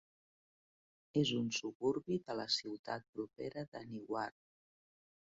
És un suburbi de la ciutat propera de Newark.